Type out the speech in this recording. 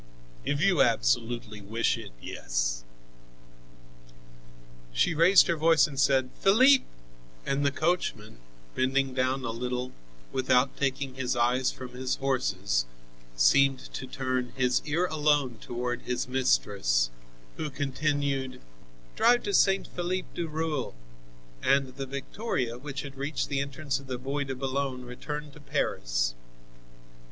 "If you absolutely wish it, yes." She raised her voice and said: "Philippe!" And the coachman, bending down a little, without taking his eyes from his horses, seemed to turn his ear alone toward his mistress, who continued: "Drive to St. Philippe du Roule." And the victoria, which had reached the entrance of the Bois de Boulogne returned to Paris.